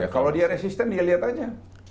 kalau dia resisten dia lihat aja